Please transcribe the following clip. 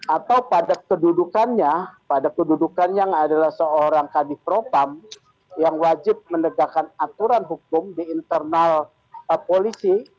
atau pada kedudukannya pada kedudukan yang adalah seorang kadif propam yang wajib menegakkan aturan hukum di internal polisi